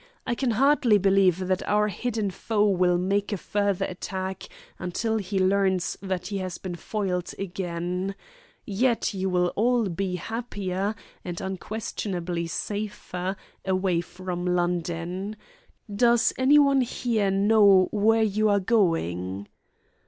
I can hardly believe that our hidden foe will make a further attack until he learns that he has been foiled again. Yet you will all be happier, and unquestionably safer, away from London. Does anyone here know where you are going?"